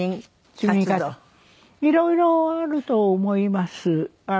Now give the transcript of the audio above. いろいろあると思います。